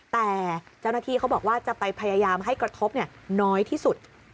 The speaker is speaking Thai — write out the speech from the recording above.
แต่เจ้าหน้าที่เขาบอกว่าจะไปพยายามให้กระทบน้อยที่สุด